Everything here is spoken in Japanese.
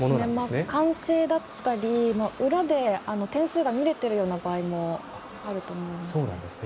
歓声だったり裏で点数が見られている場合もあると思います。